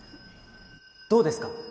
どうですか？